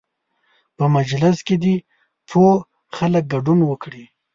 په مجلس کې دې پوه خلک ګډون وکړي.